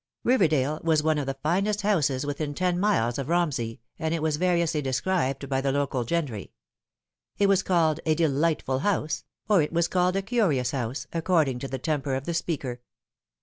Riverdale was one of the finest houses within ten miles of Romsey, and it was variously described by the local gentry. It was called a delightful house, or it was called a curious house, according to the temper of the speaker.